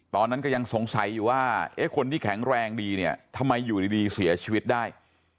ตอนนั้นก็ยังสงสัยอยู่ว่าคนที่แข็งแรงดีเนี่ยทำไมอยู่ดีเสียชีวิตได้